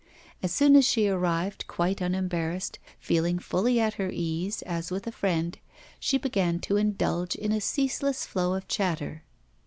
As soon as she arrived, quite unembarrassed, feeling fully at her ease, as with a friend, she began to indulge in a ceaseless flow of chatter.